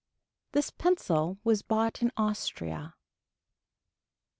This pencil was bought in Austria.